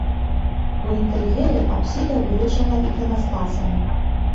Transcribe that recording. У інтэр'еры апсіда вылучана іканастасам.